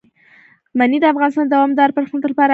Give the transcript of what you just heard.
منی د افغانستان د دوامداره پرمختګ لپاره اړین دي.